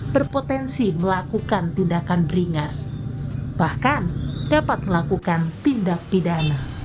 berpotensi melakukan tindakan beringas bahkan dapat melakukan tindak pidana